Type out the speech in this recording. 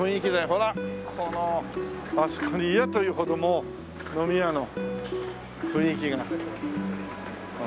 ほらこのあそこに嫌というほどもう飲み屋の雰囲気が。